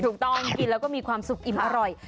ถูกต้องกินแล้วก็มีความสุขอิ่มอร่อย